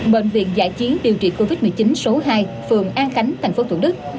bệnh viện giã chiến điều trị covid một mươi chín số hai phường an khánh thành phố thủ đức